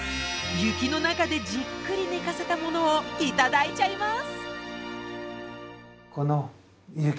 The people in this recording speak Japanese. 雪の中でじっくり寝かせたものを頂いちゃいます。